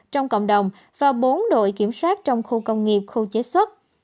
trong cộng đồng và bốn đội kiểm soát trong khu công nghiệp khu chế xuất